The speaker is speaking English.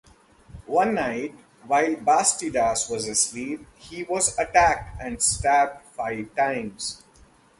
One night, while Bastidas was asleep, he was attacked and stabbed five times.